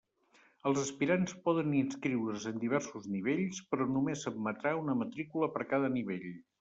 Els aspirants poden inscriure's en diversos nivells, però només s'admetrà una matrícula per cada nivell.